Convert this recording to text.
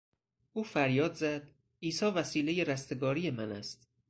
او فریاد زد، "عیسی وسیلهی رستگاری من است!"